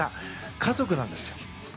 家族なんですよ。